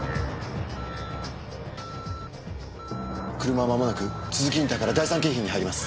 車はまもなく都筑インターから第三京浜に入ります。